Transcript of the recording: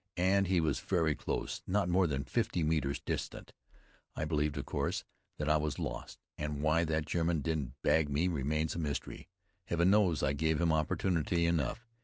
And he was very close, not more than fifty metres distant. I believed, of course, that I was lost; and why that German didn't bag me remains a mystery. Heaven knows I gave him opportunity enough!